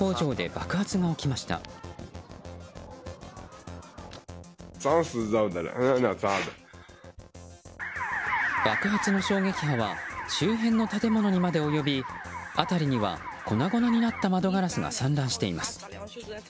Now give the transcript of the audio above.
爆発の衝撃波は周辺の建物にまでおよび辺りには粉々になった窓ガラスが散乱しています。